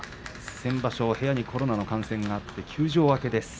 先場所、部屋にコロナの感染があって休場明けです。